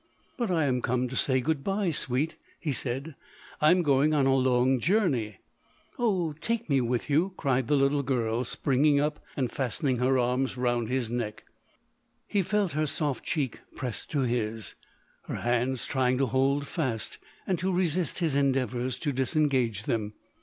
" But I am come to say good bye, sweet, 11 he said ;" I am going a long journey." " O take me with you !" cried the little girl, springing up, and fastening her arms round his neck. He felt her soft cheek prest to his; her hands trying to hold fast, and to resist, his endeavours to disengage them.